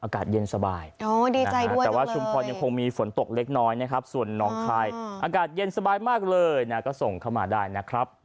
อากาศเย็นสบายอยู่ในใบววกจะอีกอย่างคงมีฝนตกเล็กหนอยนะครับส่วนน้องชายอากาศเย็นสบายมากเลยน่ะก็ส่งเข้ามาได้นะครับ